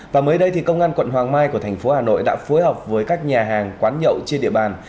và mới đây công an quận hoàng mai của thành phố hà nội đã phối hợp với các nhà hàng quán nhậu trên địa bàn